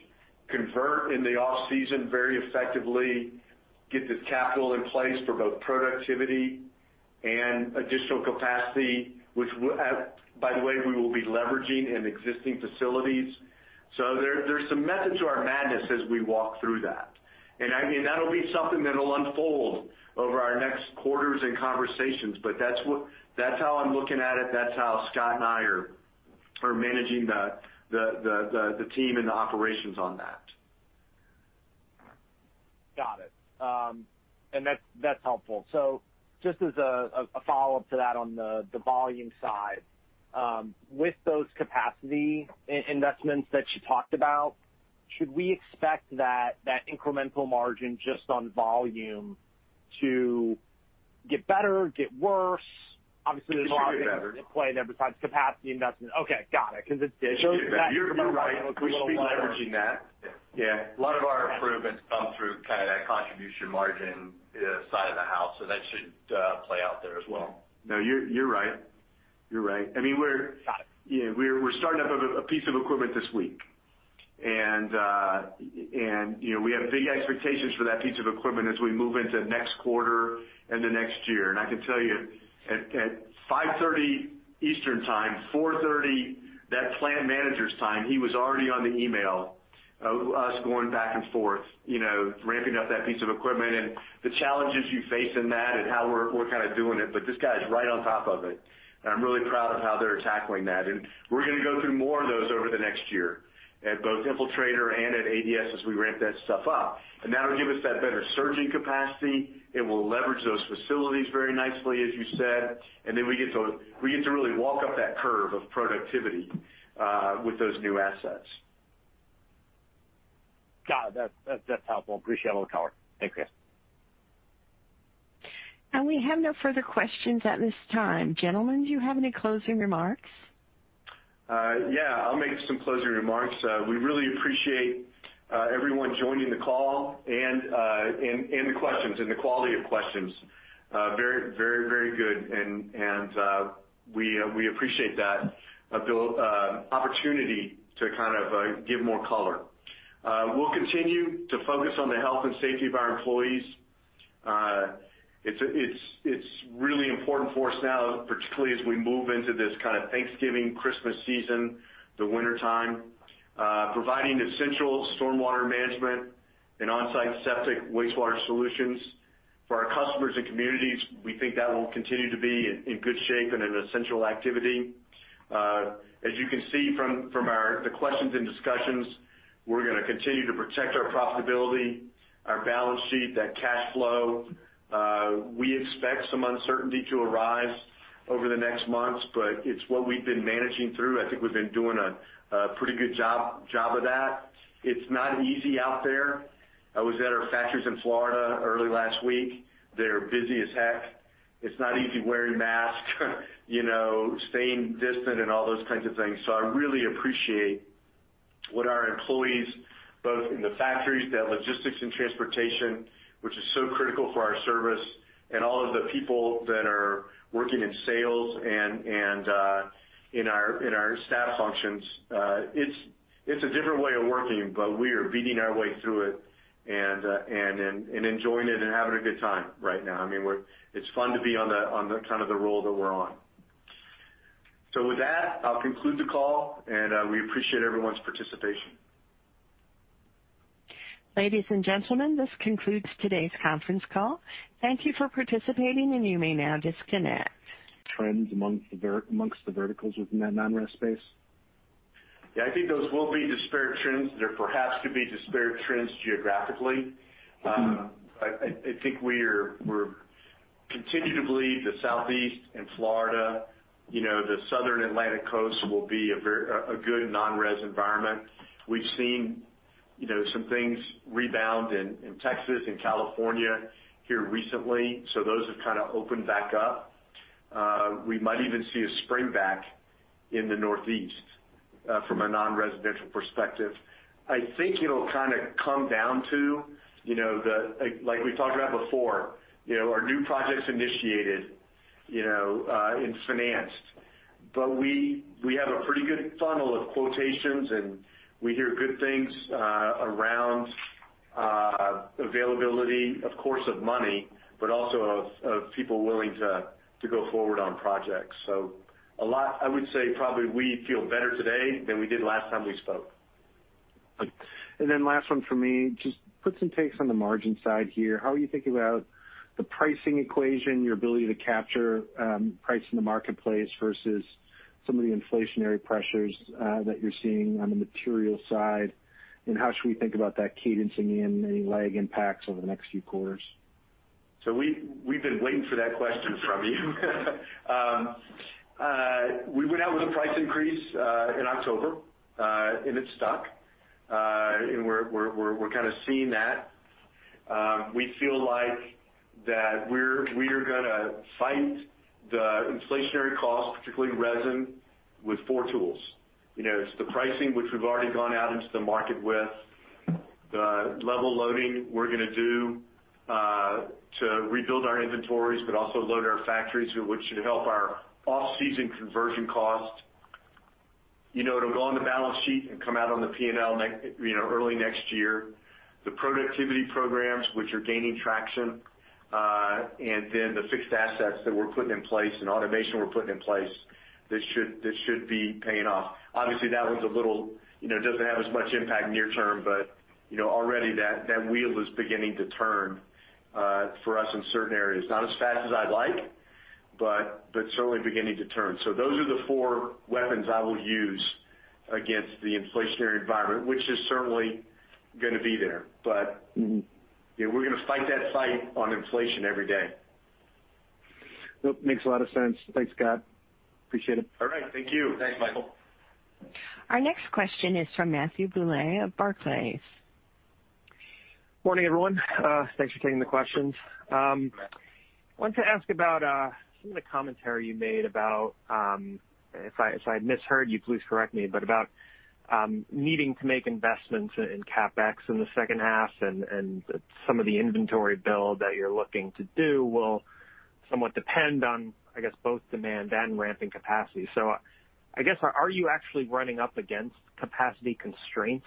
convert in the off-season very effectively, get the capital in place for both productivity and additional capacity, which, by the way, we will be leveraging in existing facilities. So there's some method to our madness as we walk through that. And I mean, that'll be something that'll unfold over our next quarters and conversations, but that's what, that's how I'm looking at it. That's how Scott and I are managing the team and the operations on that.... And that's helpful. So just as a follow-up to that on the volume side, with those capacity investments that you talked about, should we expect that incremental margin just on volume to get better, get worse? Obviously, there's a lot- It should get better. at play there besides capacity investment. Okay, got it, because it shows that- You're right. We should be leveraging that. Yeah. A lot of our improvements come through kind of that contribution margin, side of the house, so that should play out there as well. No, you're right. You're right. I mean, we're- Got it. Yeah, we're starting up a piece of equipment this week, and you know, we have big expectations for that piece of equipment as we move into next quarter and the next year. And I can tell you, at 5:30 P.M. Eastern Time, 4:30 P.M. that plant manager's time, he was already on the email, us going back and forth, you know, ramping up that piece of equipment and the challenges you face in that and how we're kind of doing it, but this guy is right on top of it, and I'm really proud of how they're tackling that. And we're gonna go through more of those over the next year, at both Infiltrator and at ADS, as we ramp that stuff up. And that'll give us that better surging capacity. It will leverage those facilities very nicely, as you said, and then we get to really walk up that curve of productivity with those new assets. Got it. That's helpful. Appreciate all the color. Thank you. And we have no further questions at this time. Gentlemen, do you have any closing remarks? Yeah, I'll make some closing remarks. We really appreciate everyone joining the call and the questions, and the quality of questions. Very good, and we appreciate that, the opportunity to kind of give more color. We'll continue to focus on the health and safety of our employees. It's really important for us now, particularly as we move into this kind of Thanksgiving, Christmas season, the wintertime. Providing essential stormwater management and onsite septic wastewater solutions for our customers and communities, we think that will continue to be in good shape and an essential activity. As you can see from the questions and discussions, we're gonna continue to protect our profitability, our balance sheet, that cash flow. We expect some uncertainty to arise over the next months, but it's what we've been managing through. I think we've been doing a pretty good job of that. It's not easy out there. I was at our factories in Florida early last week. They're busy as heck. It's not easy wearing masks, you know, staying distant and all those kinds of things. So I really appreciate what our employees, both in the factories, the logistics and transportation, which is so critical for our service, and all of the people that are working in sales and in our staff functions. It's a different way of working, but we are beating our way through it and enjoying it and having a good time right now. I mean, we're. It's fun to be on the kind of roll that we're on. So with that, I'll conclude the call, and we appreciate everyone's participation. Ladies and gentlemen, this concludes today's conference call. Thank you for participating, and you may now disconnect. Trends amongst the verticals within that non-res space? Yeah, I think those will be disparate trends. There perhaps could be disparate trends geographically. Mm-hmm. I think we continue to believe that Southeast and Florida, you know, the southern Atlantic Coast will be a very good non-res environment. We've seen, you know, some things rebound in Texas and California here recently, so those have kind of opened back up. We might even see a spring back in the Northeast from a non-residential perspective. I think it'll kind of come down to, you know, like we talked about before, you know, are new projects initiated, you know, and financed. But we have a pretty good funnel of quotations, and we hear good things around availability, of course, of money, but also of people willing to go forward on projects. So a lot... I would say probably we feel better today than we did last time we spoke. Then last one for me. Just put some takes on the margin side here. How are you thinking about the pricing equation, your ability to capture price in the marketplace versus some of the inflationary pressures that you're seeing on the material side? And how should we think about that cadencing in any lag impacts over the next few quarters? So we, we've been waiting for that question from you. We went out with a price increase in October, and it stuck. And we're kind of seeing that. We feel like we're gonna fight the inflationary costs, particularly resin, with four tools. You know, it's the pricing, which we've already gone out into the market with, the level loading we're gonna do to rebuild our inventories, but also load our factories, which should help our off-season conversion costs. You know, it'll go on the balance sheet and come out on the P&L next, you know, early next year. The productivity programs, which are gaining traction, and then the fixed assets that we're putting in place and automation we're putting in place, this should be paying off. Obviously, that one's a little, you know, doesn't have as much impact near term, but, you know, already that, that wheel is beginning to turn for us in certain areas. Not as fast as I'd like, but, but certainly beginning to turn. So those are the four weapons I will use against the inflationary environment, which is certainly gonna be there. But- Mm-hmm. Yeah, we're gonna fight that fight on inflation every day. Nope, makes a lot of sense. Thanks, Scott. Appreciate it. All right, thank you. Thanks, Michael. Our next question is from Matthew Bouley of Barclays. Morning, everyone. Thanks for taking the questions. Wanted to ask about some of the commentary you made about, if I misheard you, please correct me, but about needing to make investments in CapEx in the second half and some of the inventory build that you're looking to do will somewhat depend on, I guess, both demand and ramping capacity. So I guess, are you actually running up against capacity constraints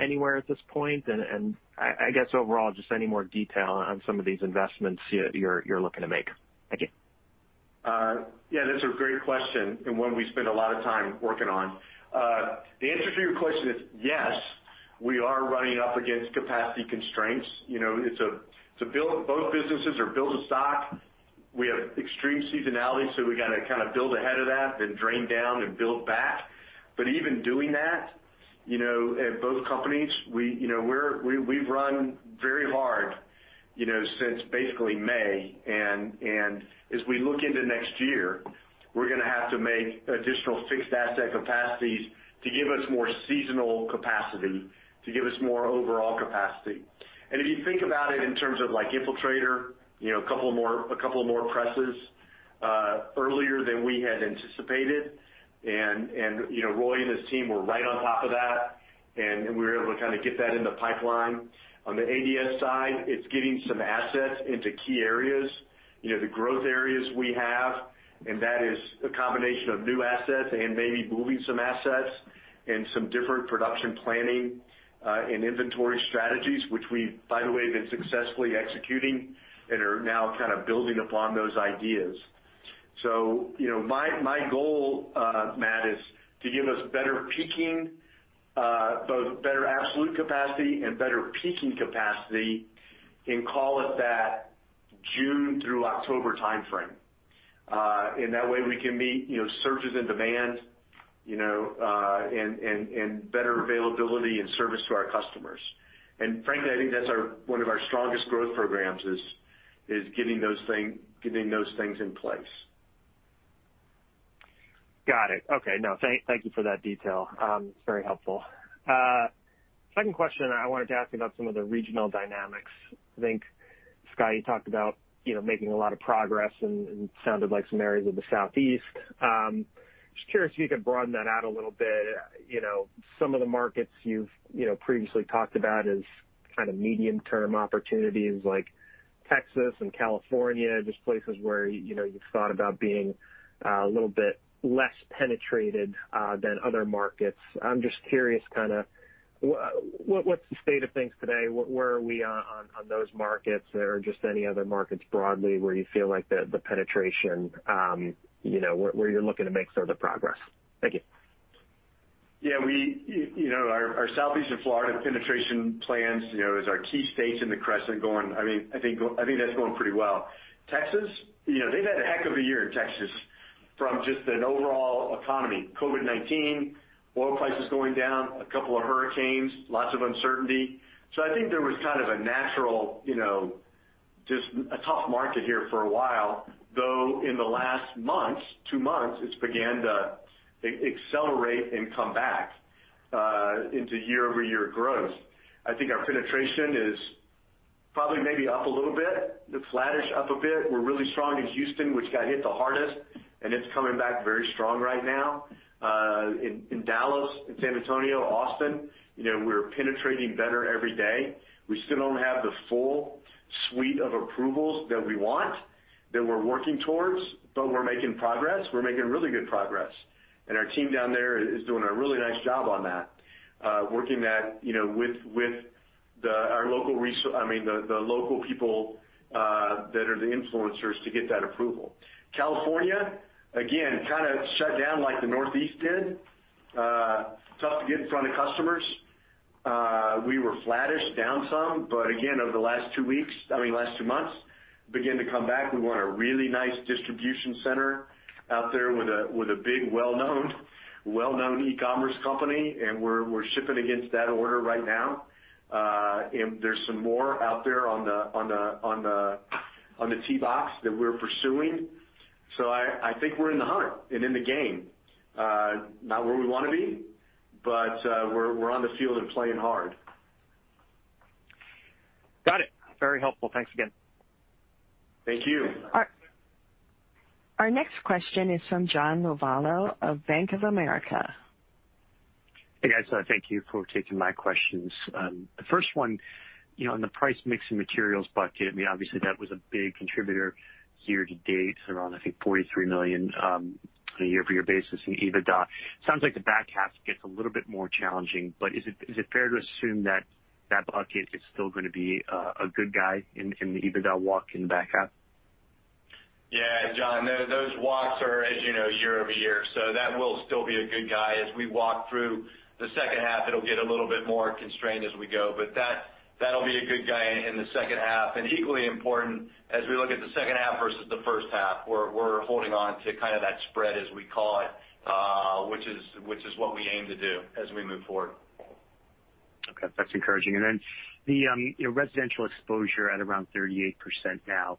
anywhere at this point? And I guess overall, just any more detail on some of these investments you're looking to make? Thank you. Yeah, that's a great question, and one we spend a lot of time working on. The answer to your question is, yes, we are running up against capacity constraints. You know, it's to build both businesses or build a stock, we have extreme seasonality, so we gotta kind of build ahead of that, then drain down and build back. But even doing that, you know, at both companies, you know, we've run very hard, you know, since basically May, and as we look into next year, we're gonna have to make additional fixed asset capacities to give us more seasonal capacity, to give us more overall capacity. If you think about it in terms of like Infiltrator, you know, a couple more presses earlier than we had anticipated, and you know, Roy and his team were right on top of that, and we were able to kind of get that in the pipeline. On the ADS side, it's getting some assets into key areas, you know, the growth areas we have, and that is a combination of new assets and maybe moving some assets and some different production planning and inventory strategies, which we've, by the way, been successfully executing and are now kind of building upon those ideas. You know, my goal, Matt, is to give us better peaking, both better absolute capacity and better peaking capacity, and call it that June through October timeframe. and that way, we can meet, you know, surges in demand, you know, and better availability and service to our customers, and frankly, I think that's our one of our strongest growth programs, is getting those things in place. Got it. Okay. No, thank you for that detail. It's very helpful. Second question, I wanted to ask you about some of the regional dynamics. I think, Scott, you talked about, you know, making a lot of progress and sounded like some areas of the Southeast. Just curious if you could broaden that out a little bit. You know, some of the markets you've you know previously talked about as kind of medium-term opportunities like Texas and California, just places where, you know, you've thought about being a little bit less penetrated than other markets. I'm just curious, kind of, what's the state of things today? Where are we on those markets or just any other markets broadly where you feel like the penetration you know where you're looking to make further progress? Thank you. Yeah, we, you know, our Southeast and Florida penetration plans, you know, is our key states in the Crescent going. I mean, I think that's going pretty well. Texas, you know, they've had a heck of a year in Texas from just an overall economy. COVID-19, oil prices going down, a couple of hurricanes, lots of uncertainty. So I think there was kind of a natural, you know, just a tough market here for a while, though in the last two months, it's began to accelerate and come back into year-over-year growth. I think our penetration is probably maybe up a little bit, flattish, up a bit. We're really strong in Houston, which got hit the hardest, and it's coming back very strong right now. In Dallas, in San Antonio, Austin, you know, we're penetrating better every day. We still don't have the full suite of approvals that we want, that we're working towards, but we're making progress. We're making really good progress, and our team down there is doing a really nice job on that, working that, you know, with the local people that are the influencers to get that approval. California, again, kind of shut down like the Northeast did. Tough to get in front of customers. We were flattish down some, but again, over the last two weeks, I mean, last two months, began to come back. We won a really nice distribution center out there with a big, well-known, well-known e-commerce company, and we're shipping against that order right now. And there's some more out there on the tee box that we're pursuing, so I think we're in the hunt and in the game. Not where we want to be, but we're on the field and playing hard. Got it. Very helpful. Thanks again. Thank you. Our next question is from John Lovallo of Bank of America. Hey, guys, thank you for taking my questions. The first one, you know, in the price mix and materials bucket, I mean, obviously, that was a big contributor year to date, around, I think, $43 million, on a year-over-year basis in EBITDA. Sounds like the back half gets a little bit more challenging, but is it fair to assume that that bucket is still gonna be a good guy in the EBITDA walk in the back half? Yeah, John, those walks are, as you know, year over year, so that will still be a good guy as we walk through the second half. It'll get a little bit more constrained as we go, but that'll be a good guy in the second half. And equally important, as we look at the second half versus the first half, we're holding on to kind of that spread, as we call it, which is what we aim to do as we move forward. Okay, that's encouraging. And then the, you know, residential exposure at around 38% now, you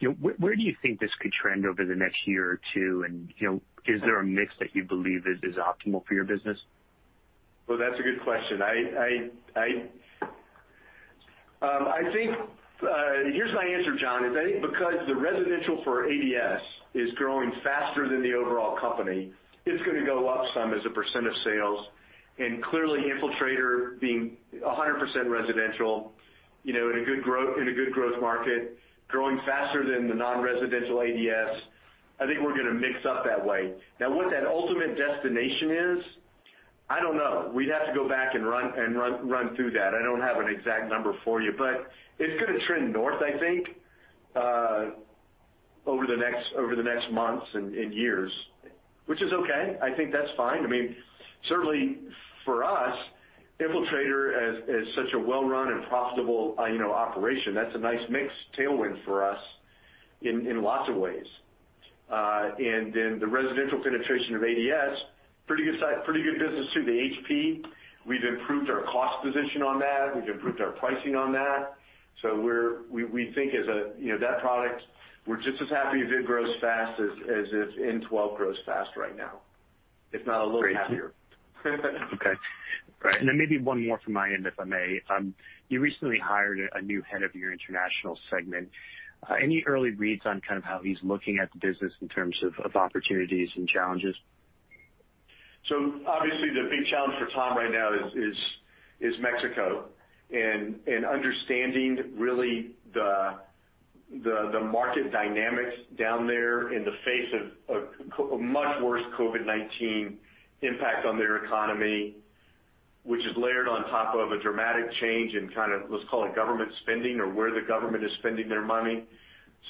know, where do you think this could trend over the next year or two? And, you know, is there a mix that you believe is optimal for your business? That's a good question. I think, here's my answer, John. I think because the residential for ADS is growing faster than the overall company, it's gonna go up some as a percent of sales. And clearly, Infiltrator being 100% residential, you know, in a good growth market, growing faster than the non-residential ADS, I think we're gonna mix up that way. Now, what that ultimate destination is, I don't know. We'd have to go back and run through that. I don't have an exact number for you, but it's gonna trend north, I think, over the next months and years, which is okay. I think that's fine. I mean, certainly for us, Infiltrator as such a well-run and profitable, you know, operation, that's a nice mix tailwind for us in lots of ways. And then the residential penetration of ADS, pretty good business too. The HP, we've improved our cost position on that, we've improved our pricing on that, so we think as a, you know, that product, we're just as happy if it grows fast as if N-12 grows fast right now, if not a little happier. Okay. Right, and then maybe one more from my end, if I may. You recently hired a new head of your International segment. Any early reads on kind of how he's looking at the business in terms of opportunities and challenges? So obviously, the big challenge for Tom right now is Mexico and understanding really the market dynamics down there in the face of a much worse COVID-19 impact on their economy, which is layered on top of a dramatic change in kind of, let's call it, government spending or where the government is spending their money.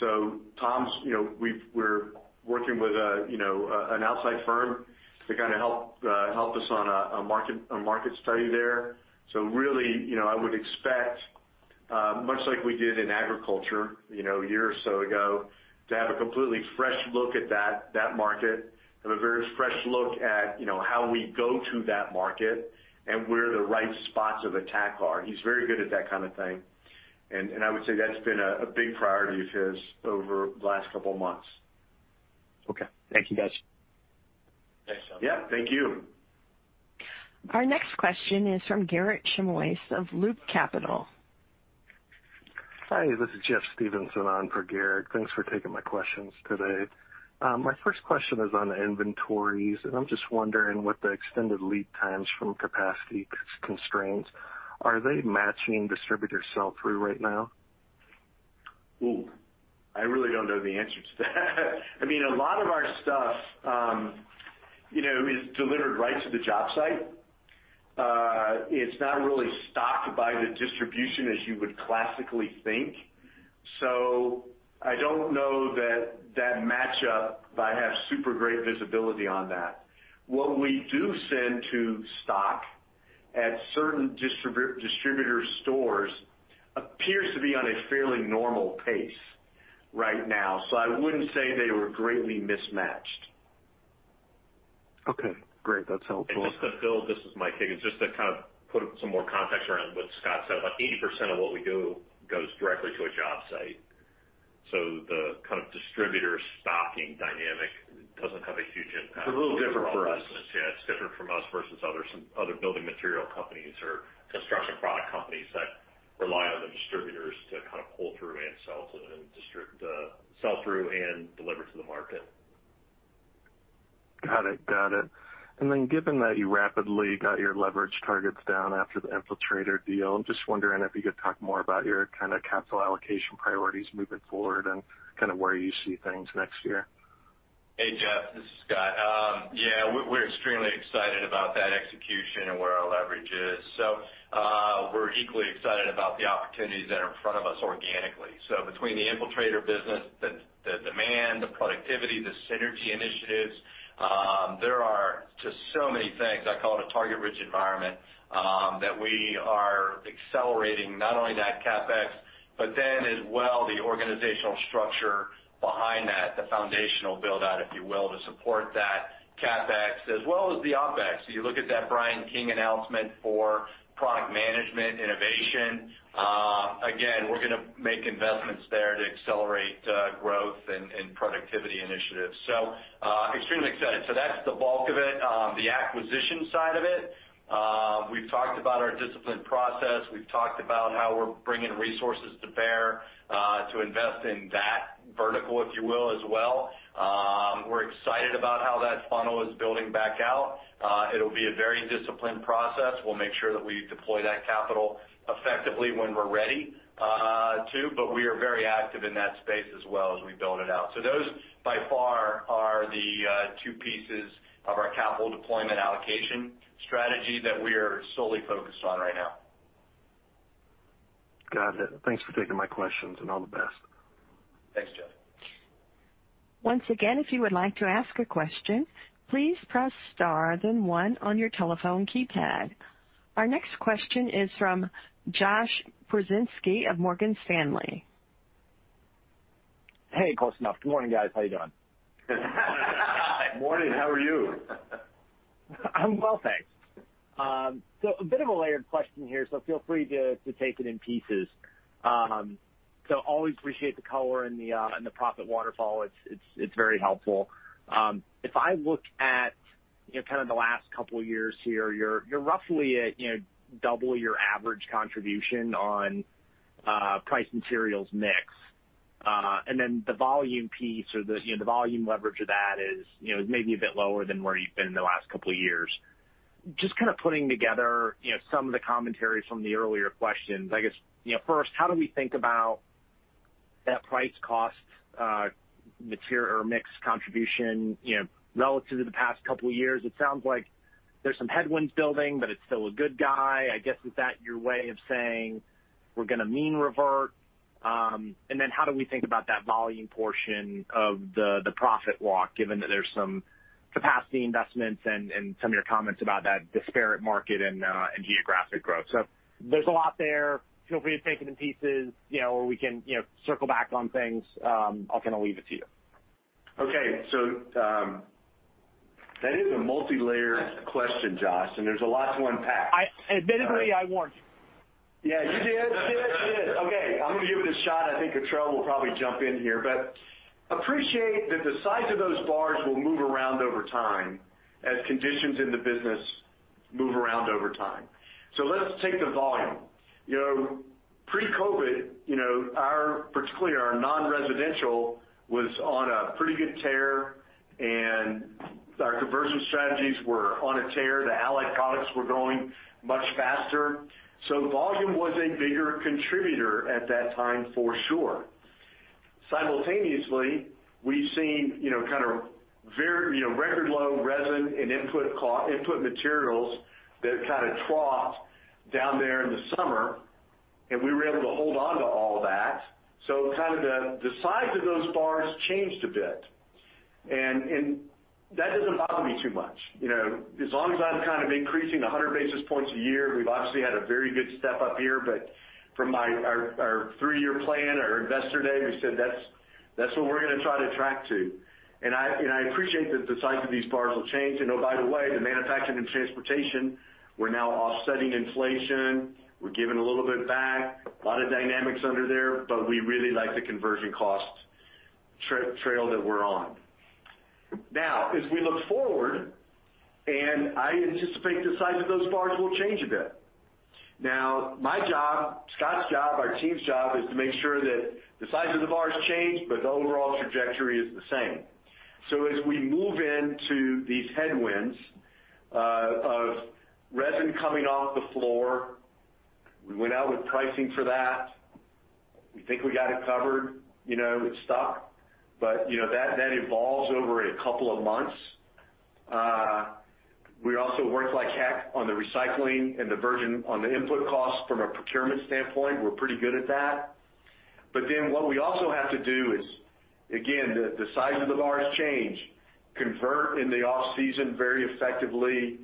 So Tom's, you know, we're working with an outside firm to kind of help us on a market study there. So really, you know, I would expect much like we did in agriculture, you know, a year or so ago, to have a completely fresh look at that market, have a very fresh look at, you know, how we go to that market and where the right spots of attack are. He's very good at that kind of thing, and I would say that's been a big priority of his over the last couple of months. Okay. Thank you, guys. Thanks, John. Yeah, thank you. Our next question is from Garik Shmois of Loop Capital. Hi, this is Jeff Stevenson on for Garik. Thanks for taking my questions today. My first question is on inventories, and I'm just wondering what the extended lead times from capacity constraints are. Are they matching distributor sell-through right now? Ooh, I really don't know the answer to that. I mean, a lot of our stuff, you know, is delivered right to the job site. It's not really stocked by the distribution as you would classically think. So I don't know that that match up, but I have super great visibility on that. What we do send to stock at certain distributor stores appears to be on a fairly normal pace right now, so I wouldn't say they were greatly mismatched. Okay, great. That's helpful. Just to build, this is Mike Higgins, just to kind of put some more context around what Scott said. About 80% of what we do goes directly to a job site, so the kind of distributor stocking dynamic doesn't have a huge impact. It's a little different for us. Yeah, it's different from us versus other building material companies or construction product companies that rely on the distributors to kind of pull through and sell to and sell through and deliver to the market. Got it. Got it. And then given that you rapidly got your leverage targets down after the Infiltrator deal, I'm just wondering if you could talk more about your kind of capital allocation priorities moving forward and kind of where you see things next year. Hey, Jeff, this is Scott. Yeah, we're extremely excited about that execution and where our leverage is. So we're equally excited about the opportunities that are in front of us organically. So between the Infiltrator business, the demand, the productivity, the synergy initiatives, there are just so many things. I call it a target-rich environment that we are accelerating not only that CapEx, but then as well the organizational structure behind that, the foundational build-out, if you will, to support that CapEx, as well as the OpEx. You look at that Brian King announcement for product management, innovation. Again, we're gonna make investments there to accelerate growth and productivity initiatives. So extremely excited. So that's the bulk of it. The acquisition side of it, we've talked about our disciplined process, we've talked about how we're bringing resources to bear to invest in that vertical, if you will, as well. We're excited about how that funnel is building back out. It'll be a very disciplined process. We'll make sure that we deploy that capital effectively when we're ready, but we are very active in that space as well as we build it out. So those, by far, are the two pieces of our capital deployment allocation strategy that we are solely focused on right now.... Got it. Thanks for taking my questions, and all the best. Thanks, John. Once again, if you would like to ask a question, please press star, then one on your telephone keypad. Our next question is from Josh Pokrzywinski of Morgan Stanley. Hey, close enough. Good morning, guys. How you doing? Morning. How are you? I'm well, thanks, so a bit of a layered question here, so feel free to, to take it in pieces, so always appreciate the color and the, and the profit waterfall. It's, it's, it's very helpful. If I look at, you know, kind of the last couple of years here, you're, you're roughly at, you know, double your average contribution on, price and mix. And then the volume piece or the, you know, the volume leverage of that is, you know, maybe a bit lower than where you've been in the last couple of years. Just kind of putting together, you know, some of the commentary from the earlier questions, I guess, you know, first, how do we think about that price cost, material or mix contribution, you know, relative to the past couple of years? It sounds like there's some headwinds building, but it's still a good guy. I guess, is that your way of saying, "We're gonna mean revert?" And then how do we think about that volume portion of the profit walk, given that there's some capacity investments and some of your comments about that disparate market and geographic growth? So there's a lot there. Feel free to take it in pieces, you know, or we can, you know, circle back on things. I'll kind of leave it to you. Okay. So, that is a multilayer question, Josh, and there's a lot to unpack. I, admittedly, I warned you. Yeah, you did. You did, you did. Okay, I'm gonna give it a shot. I think Cottrell will probably jump in here, but appreciate that the size of those bars will move around over time as conditions in the business move around over time. So let's take the volume. You know, pre-COVID, you know, our, particularly our non-residential, was on a pretty good tear, and our conversion strategies were on a tear. The allied products were growing much faster, so volume was a bigger contributor at that time, for sure. Simultaneously, we've seen, you know, kind of very, you know, record low resin and input cost, input materials that kind of troughed down there in the summer, and we were able to hold on to all that. So kind of the size of those bars changed a bit, and that doesn't bother me too much. You know, as long as I'm kind of increasing 100 basis points a year, we've obviously had a very good step up here, but from our three-year plan, our investor day, we said that's what we're gonna try to track to. And I appreciate that the size of these bars will change, and oh, by the way, the manufacturing and transportation, we're now offsetting inflation. We're giving a little bit back, a lot of dynamics under there, but we really like the conversion cost trail that we're on. Now, as we look forward, and I anticipate the size of those bars will change a bit. Now, my job, Scott's job, our team's job is to make sure that the size of the bars change, but the overall trajectory is the same. So as we move into these headwinds of resin coming off the floor, we went out with pricing for that. We think we got it covered. You know, it stuck, but, you know, that evolves over a couple of months. We also worked like heck on the recycling and the virgin on the input costs from a procurement standpoint. We're pretty good at that. But then what we also have to do is, again, the size of the bars change, convert in the off-season very effectively,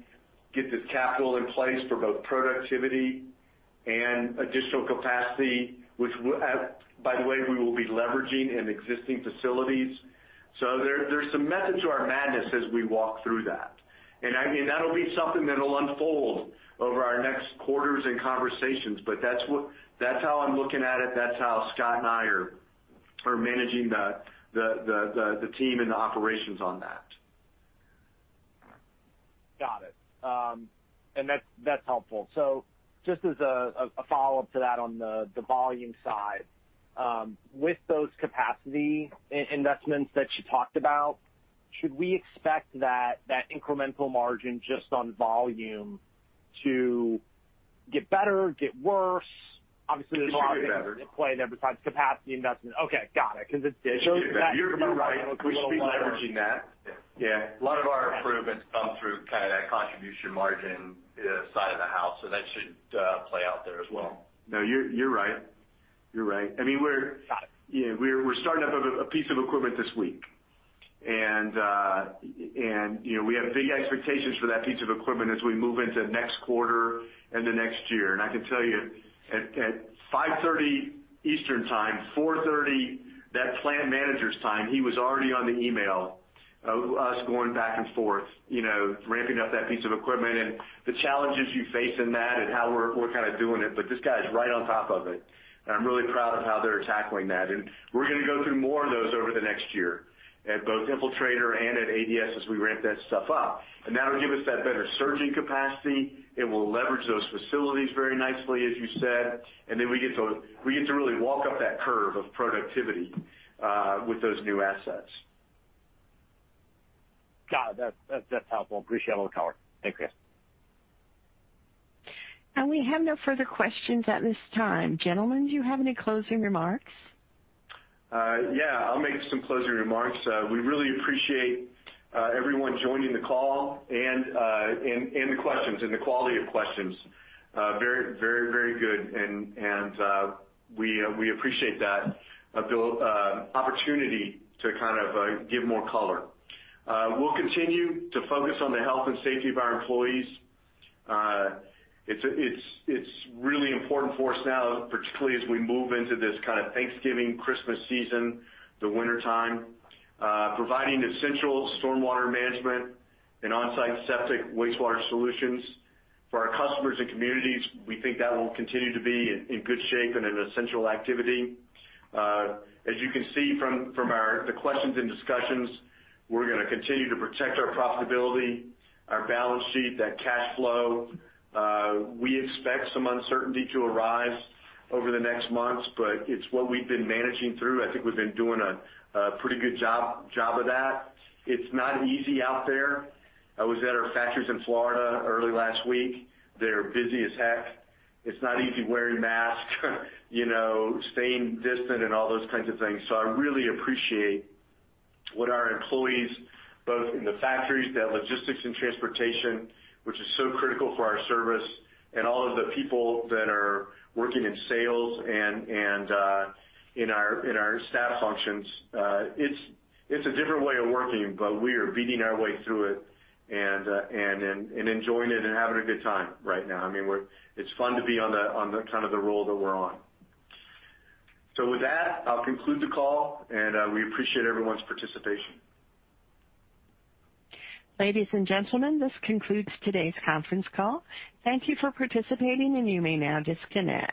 get the capital in place for both productivity and additional capacity, which by the way, we will be leveraging in existing facilities. So there, there's some method to our madness as we walk through that. And, I mean, that'll be something that'll unfold over our next quarters and conversations, but that's what - that's how I'm looking at it. That's how Scott and I are managing the team and the operations on that. Got it. And that's helpful. So just as a follow-up to that on the volume side, with those capacity investments that you talked about, should we expect that incremental margin just on volume to get better, get worse? Obviously, there's a lot- Get better. -at play there besides capacity investment. Okay, got it, because it's- You're right. We should be leveraging that. Yeah. A lot of our improvements come through kind of that contribution margin side of the house, so that should play out there as well. No, you're right. You're right. I mean, we're- Got it. Yeah, we're starting up a piece of equipment this week, and you know, we have big expectations for that piece of equipment as we move into next quarter and the next year. I can tell you, at 5:30 Eastern Time, 4:30 that plant manager's time, he was already on the email of us going back and forth, you know, ramping up that piece of equipment and the challenges you face in that and how we're kind of doing it, but this guy is right on top of it, and I'm really proud of how they're tackling that. We're gonna go through more of those over the next year, at both Infiltrator and at ADS, as we ramp that stuff up. That'll give us that better surging capacity. It will leverage those facilities very nicely, as you said, and then we get to, we get to really walk up that curve of productivity, with those new assets. Got it. That's helpful. Appreciate all the color. Thank you. We have no further questions at this time. Gentlemen, do you have any closing remarks? Yeah, I'll make some closing remarks. We really appreciate everyone joining the call and the questions and the quality of questions. Very good, and we appreciate that the opportunity to kind of give more color. We'll continue to focus on the health and safety of our employees. It's really important for us now, particularly as we move into this kind of Thanksgiving, Christmas season, the wintertime. Providing essential stormwater management and on-site septic wastewater solutions for our customers and communities, we think that will continue to be in good shape and an essential activity. As you can see from the questions and discussions, we're gonna continue to protect our profitability, our balance sheet, that cash flow. We expect some uncertainty to arise over the next months, but it's what we've been managing through. I think we've been doing a pretty good job of that. It's not easy out there. I was at our factories in Florida early last week. They're busy as heck. It's not easy wearing masks, you know, staying distant and all those kinds of things. So I really appreciate what our employees, both in the factories, the logistics and transportation, which is so critical for our service, and all of the people that are working in sales and in our staff functions. It's a different way of working, but we are beating our way through it and enjoying it and having a good time right now. I mean, we're. It's fun to be on the kind of roll that we're on. So with that, I'll conclude the call, and we appreciate everyone's participation. Ladies and gentlemen, this concludes today's conference call. Thank you for participating, and you may now disconnect.